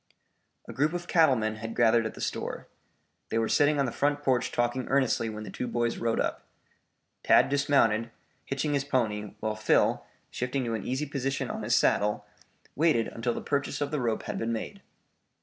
A group of cattle men had gathered at the store. They were sitting on the front porch talking earnestly when the two boys rode up. Tad dismounted, hitching his pony, while Phil, shifting to an easy position on his saddle, waited until the purchase of the rope had been made.